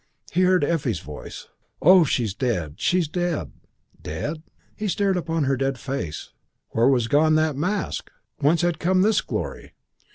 He heard Effie's voice, "Oh, she's dead! She's dead!" Dead? He stared upon her dead face. Where was gone that mask? Whence had come this glory?